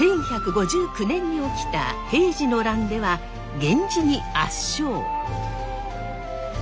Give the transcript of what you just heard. １１５９年に起きた平治の乱では源氏に圧勝。